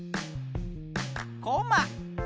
こま。